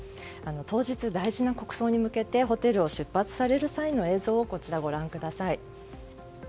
当日、大事な国葬に向けてホテルを出発される際の映像をこちら、ご覧ください。